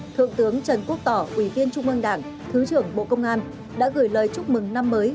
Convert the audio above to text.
thượng tướng trần quốc tỏ ủy viên trung ương đảng thứ trưởng bộ công an đã gửi lời chúc mừng năm mới